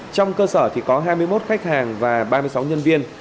trong cơ sở thì có hai mươi một khách hàng và ba mươi sáu nhân viên